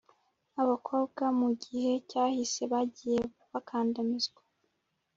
abakobwa mu gihe cyahise bagiye bakandamizwa,